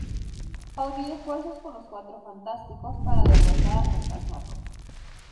Ha unido fuerzas con los Cuatro Fantásticos para derrotar al Fantasma Rojo.